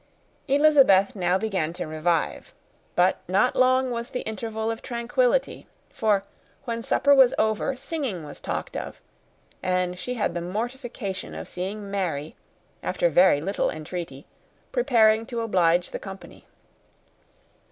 Elizabeth now began to revive. But not long was the interval of tranquillity; for when supper was over, singing was talked of, and she had the mortification of seeing Mary, after very little entreaty, preparing to oblige the company.